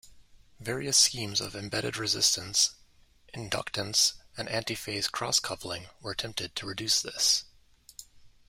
Various schemes of embedded resistance, inductance and antiphase cross-coupling were attempted to reduce this.